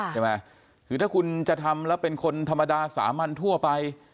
ใช่ไหมคือถ้าคุณจะทำแล้วเป็นคนธรรมดาสามัญทั่วไป